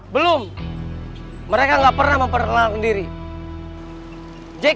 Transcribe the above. beri barang yang muhammad vegetarian